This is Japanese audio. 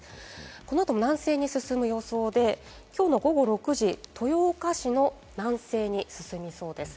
この後も南西に進む予想で、きょうの午後６時、豊岡市の南西に進みそうです。